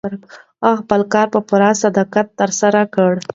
هغې خپل کار په پوره صداقت ترسره کړ.